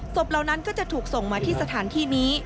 เหล่านั้นก็จะถูกส่งมาที่สถานที่นี้